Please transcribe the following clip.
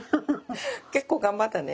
結構頑張ったね。